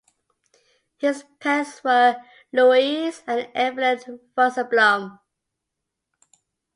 His parents were Louis and Evelyn Rosenblum.